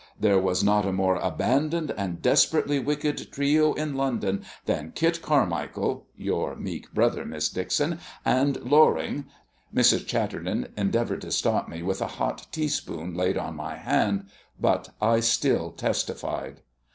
There was not a more abandoned and desperately wicked trio in London than Kit Carmichael your meek brother, Miss Dixon and Loring " Mrs. Chatterton endeavoured to stop me with a hot teaspoon laid on my hand, but I still testified.